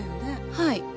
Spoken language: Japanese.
はい。